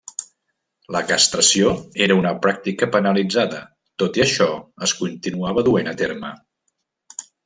La castració era una pràctica penalitzada, tot i això es continuava duent a terme.